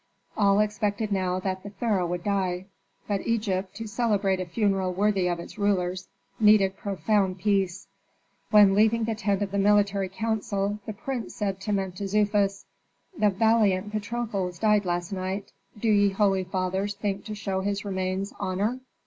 All expected now that the pharaoh would die. But Egypt, to celebrate a funeral worthy of its ruler, needed profound peace. When leaving the tent of the military council the prince said to Mentezufis, "The valiant Patrokles died last night; do ye holy fathers think to show his remains honor?"